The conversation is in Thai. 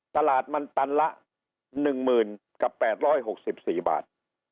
ตลาดมันตันละ๑๐๐๐กับ๘๖๔บาท